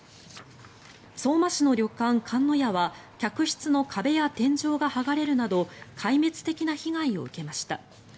相馬市の旅館、かんのやは客室の壁や天井が剥がれるなど壊滅的な被害を受けました。